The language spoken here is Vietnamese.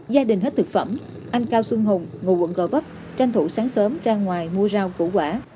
gia đình hết thực phẩm anh cao xuân hùng ngụ quận gò vấp tranh thủ sáng sớm ra ngoài mua rau củ quả